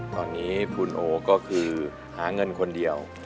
ตอนนี้คุณโอก็คือหาเงินคนเดียว